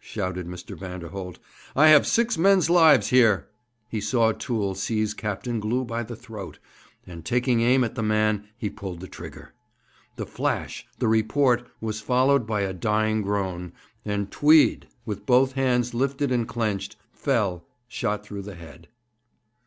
shouted Mr. Vanderholt. 'I have six men's lives here.' He saw Toole seize Captain Glew by the throat, and taking aim at the man, he pulled the trigger. The flash, the report, was followed by a dying groan, and Tweed, with both hands lifted and clenched, fell, shot through the head.